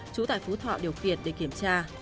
trú tại phú thọ điều kiện để kiểm tra